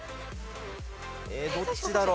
えっどっちだろ？